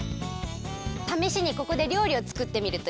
ためしにここでりょうりをつくってみるといいわ。